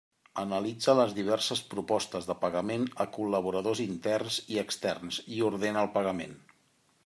Analitza les diverses propostes de pagament a col·laboradors interns i externs i ordena el pagament.